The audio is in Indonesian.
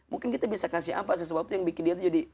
mungkin kita bisa kasih apa sesuatu yang bikin dia tuh jadi